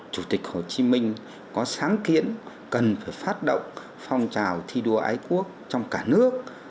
chủ tịch hồ chí minh có sáng kiến cần phải phát động phong trào thi đua ái quốc trong cả nước